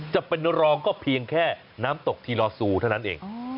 จะเป็นรองก็เพียงแค่น้ำตกทีลอซูเท่านั้นเอง